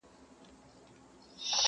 دا ګودر زرګر دی دلته پېغلي هم زرګري دي,